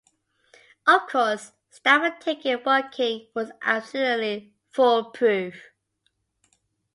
Of course, staff and ticket working was absolutely foolproof.